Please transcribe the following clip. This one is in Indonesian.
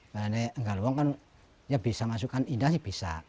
karena kalau bisa masukkan indang bisa